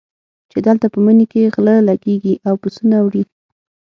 چې دلته په مني کې غله لګېږي او پسونه وړي.